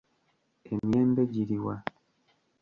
Emiyembe giri wa?